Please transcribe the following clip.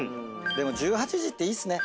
１８時っていいっすね